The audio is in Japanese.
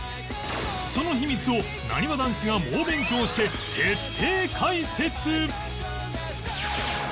その秘密をなにわ男子が猛勉強して徹底解説！